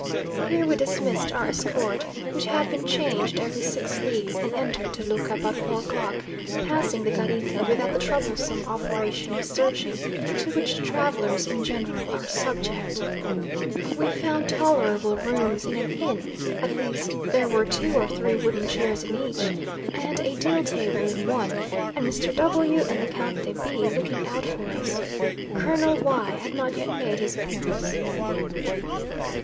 Here we dismissed our escort, which had been changed every six leagues, and entered Toluca about four o'clock, passing the Garrita without the troublesome operation of searching, to which travellers in general are subject. We found tolerable rooms in an inn; at least there were two or three wooden chairs in each, and a deal table in one; and Mr. W and the Count de B looking out for us. Colonel Y had not yet made his appearance.